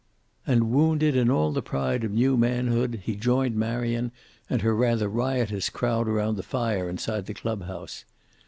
And wounded in all the pride of new manhood, he joined Marion and her rather riotous crowd around the fire inside the clubhouse.